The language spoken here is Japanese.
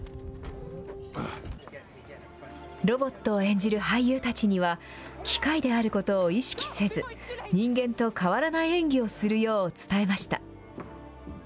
ロボットを演じる俳優たちには、機械であることを意識せず、人間と変わらない演技をするよう伝えました。